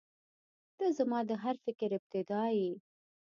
• ته زما د هر فکر ابتدا یې.